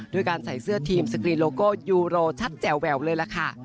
ด้วยการใส่เสื้อทีมสกรีนโลโก้ยูโรชัดแจ่แววเลยล่ะค่ะ